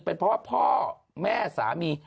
เป็นเพราะว่าพ่อแม่สามี